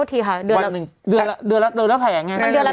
มันเดือนละแผง